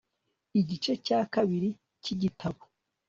igice cya kabiri cy'igitabo